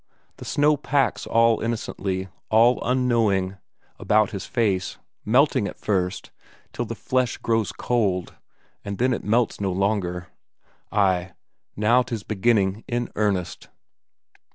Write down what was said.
The snow packs all innocently, all unknowing, about his face, melting at first, till the flesh grows cold, and then it melts no longer. Ay, now 'tis beginning in earnest!